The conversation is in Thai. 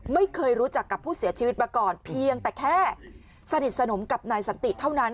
ไม่เคยรู้จักกับผู้เสียชีวิตมาก่อนเพียงแต่แค่สนิทสนมกับนายสันติเท่านั้น